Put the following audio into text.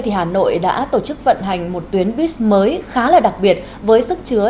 hà nội đã tổ chức vận hành một tuyến bus mới khá đặc biệt với sức chứa